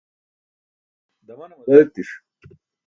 damane madad etiṣ